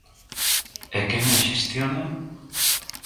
¿E quen a xestiona?